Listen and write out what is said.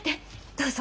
どうぞ。